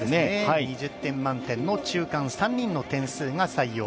２０点満点の中間３人の点数が採用。